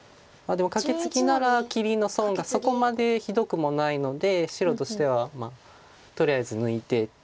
でもカケツギなら切りの損がそこまでひどくもないので白としてはとりあえず抜いてって感じです。